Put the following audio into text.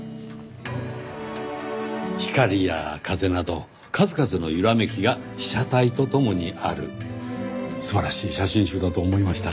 光や風など数々のゆらめきが被写体と共にある素晴らしい写真集だと思いました。